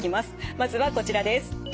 まずはこちらです。